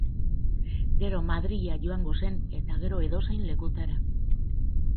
Gero Madrila joango zen, eta gero edozein lekutara.